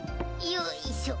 よいしょ。